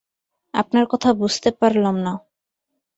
আপনার কথা বুঝতে পারলাম না।